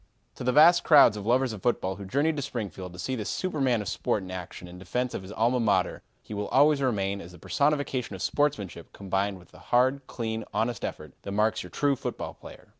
[Illustration: MARSHALL NEWELL] "To the vast crowds of lovers of football who journeyed to Springfield to see this superman of sport in action in defense of his Alma Mater he will always remain as the personification of sportsmanship combined with the hard, clean, honest effort that marks your true football player.